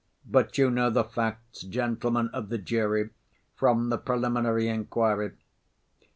But you know the facts, gentlemen of the jury, from the preliminary inquiry.